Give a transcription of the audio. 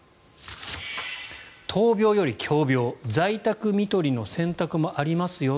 「闘病より共病“在宅看取り”の選択もあり」。